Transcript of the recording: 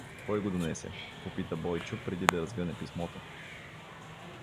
— Кой го донесе? — попита Бойчо, преди да разгъне писмото.